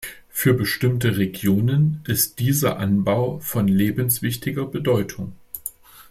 Für bestimmte Regionen ist dieser Anbau von lebenswichtiger Bedeutung.